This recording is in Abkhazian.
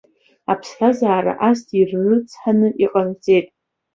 Аԥсҭазаара ас иррыцҳаны иҟарҵеит.